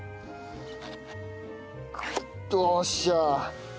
よっしゃ。